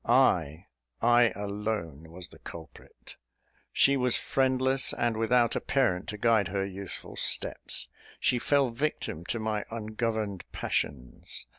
I, I alone was the culprit. She was friendless, and without a parent to guide her youthful steps; she fell a victim to my ungoverned passions.